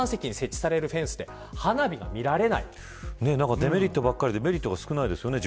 デメリットばかりでメリットが少ないですね。